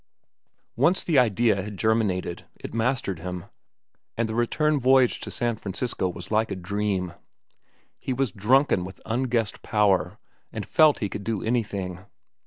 Once the idea had germinated, it mastered him, and the return voyage to San Francisco was like a dream. He was drunken with unguessed power and felt that he could do anything.